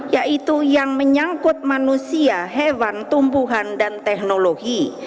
yaitu yang menyangkut manusia hewan tumbuhan dan teknologi